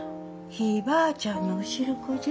ひいばあちゃんのお汁粉じゃ。